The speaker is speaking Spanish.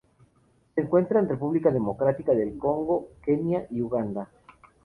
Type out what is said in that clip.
Se encuentra en República Democrática del Congo, Kenia y Uganda.